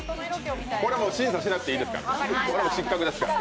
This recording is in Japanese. これは審査しなくていいですから、失格ですから。